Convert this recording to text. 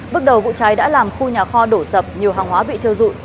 bước đầu vụ cháy đã làm khu nhà kho đổ sập nhiều hàng hóa bị thiêu dụi